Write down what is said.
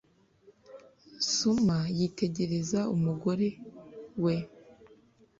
xuma yitegereza umugore. we